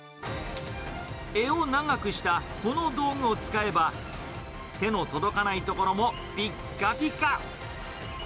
柄を長くしたこの道具を使えば、手の届かない所もぴっかぴか。